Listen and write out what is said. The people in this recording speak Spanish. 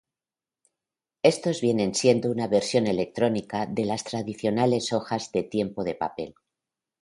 Estos vienen siendo una versión electrónica de las tradicionales hojas de tiempo de papel.